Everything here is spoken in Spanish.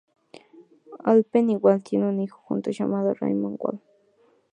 Alphen y Wahl tienen un hijo juntos, llamado Raymond Wahl.